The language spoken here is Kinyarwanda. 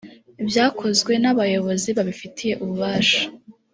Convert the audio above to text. byakozwe n’abayobozi babifitiye ububasha